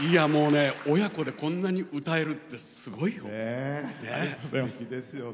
親子でこんなに歌えるってすごい！